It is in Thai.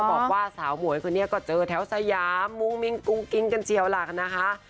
บอกว่าสาวหมวยคนนี้ก็เจอแถวสยามมุ้งมิ้งกุ้งกิ๊งกันเจียวหลักนะคะ